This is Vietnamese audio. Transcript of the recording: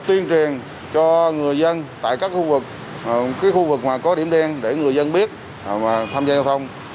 tuyên truyền cho người dân tại các khu vực khu vực có điểm đen để người dân biết tham gia giao thông